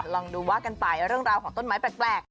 ลองดูว่ากันไปเรื่องราวของต้นไม้แปลก